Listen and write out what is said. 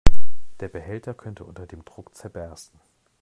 Der Behälter könnte unter dem Druck zerbersten.